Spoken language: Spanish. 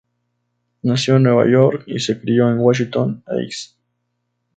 Nació en Nueva York y se crio en Washington Heights.